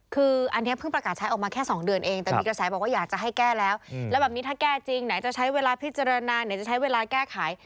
คืออันนี้เพิ่งประกาศใช้ออกมาแค่๒เดือนเองแต่มีกระแสบอกว่าอยากจะให้แก้แล้วแล้วแบบนี้ถ้าแก้จริงไหนจะใช้เวลาพิจารณาไหนจะใช้เวลาแก้ไข